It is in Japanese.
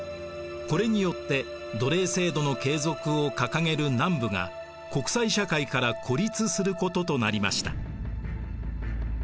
これによって奴隷制度の継続を掲げる南部が国際社会から孤立することとなりました。